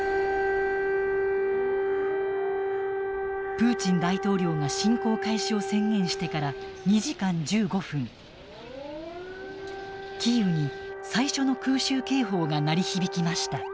プーチン大統領が侵攻開始を宣言してから２時間１５分キーウに最初の空襲警報が鳴り響きました。